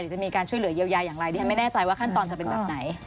จะมีการช่วยเหลือเยียวยาอย่างไรดิฉันไม่แน่ใจว่าขั้นตอนจะเป็นแบบไหน